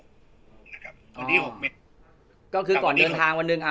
วันที่หกเม็ดก็คือก่อนเดินทางวันหนึ่งอ่า